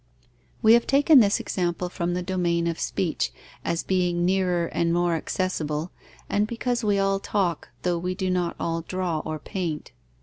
We have taken this example from the domain of speech, as being nearer and more accessible, and because we all talk, though we do not all draw or paint.